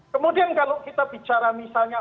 kemudian kalau kita bicara misalnya